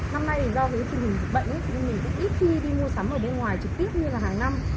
năm nay do cái tình hình dịch bệnh mình ít khi đi mua sắm ở bên ngoài trực tiếp như là hàng năm